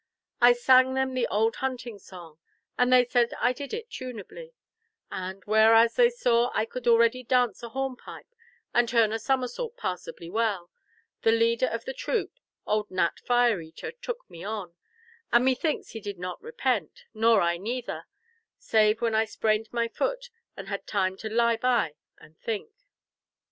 I sang them the old hunting song, and they said I did it tunably, and, whereas they saw I could already dance a hornpipe and turn a somersault passably well, the leader of the troop, old Nat Fire eater, took me on, and methinks he did not repent—nor I neither—save when I sprained my foot and had time to lie by and think.